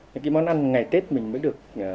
cái món ăn ngày tết mình mới được thưởng thức